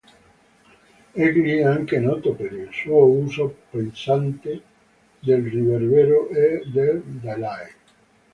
Egli è anche noto per il suo uso pesante del riverbero e del delay.